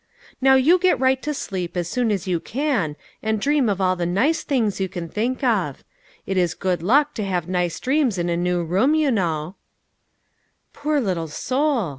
" Now you get right to sleep as soon as you can, and dream of all the nice things you can think of. It is good luck to have nice dreams in a new room, you know." 88 LITTLE FISHERS : AND THEIR NETS. " Poor little soul